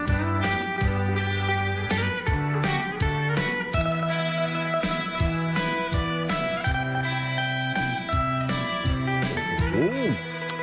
โน้ท